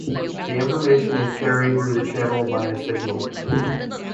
The information is carried through the channel by a signal.